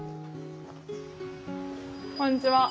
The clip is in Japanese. こんにちは。